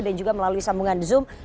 dan juga melalui sambungan zoom